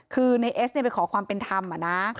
คือในเอสไปขอความเป็นธรรมอะนะ